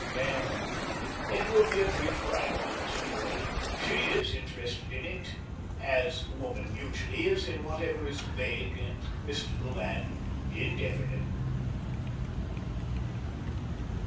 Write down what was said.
Well, it will be a treat for Agatha, at any rate. She is interested in it, as woman usually is in whatever is vague and mystical and indefinite.